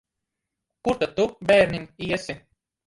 Kur tad tu, bērniņ, iesi?